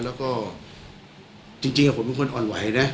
แล้วก็จริงผมเป็นคนอ่อนไหวนะ